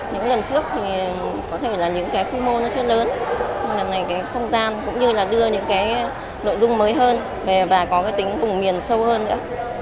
những lần trước có thể là những khu mô chưa lớn nhưng lần này phong gian cũng như đưa những nội dung mới hơn và có tính bùng miền sâu hơn nữa